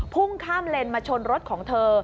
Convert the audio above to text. พุ่งข้ามเลนมาชนรถของเธอ